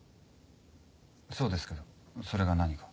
そうですけどそれが何か？